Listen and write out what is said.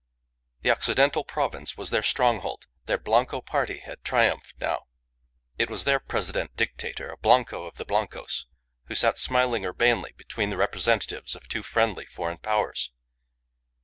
The Occidental Province was their stronghold; their Blanco party had triumphed now; it was their President Dictator, a Blanco of the Blancos, who sat smiling urbanely between the representatives of two friendly foreign powers.